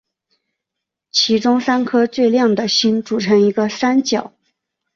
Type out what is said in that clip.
其中三颗最亮的星组成一个三角。